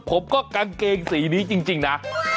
กางเกงสีนี้จริงนะ